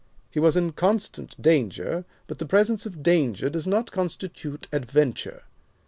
He was in constant danger, but the presence of danger does not constitute adventure.